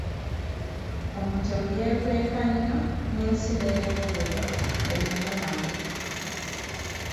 Omutemu yeekweka nnyo n'ensi n'eremwa okumumanya.